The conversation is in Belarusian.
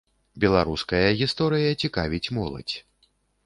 Беларуская гісторыя цікавіць моладзь.